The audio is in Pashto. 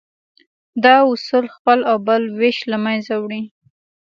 دا اصول خپل او بل وېش له منځه وړي.